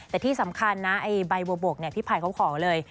แต่ที่สำคัญนะไอ้ใบบัวบกพี่ภัยเขาขอเลย